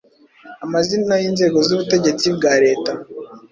Amazina y’inzego z’ubutegetsi bwa leta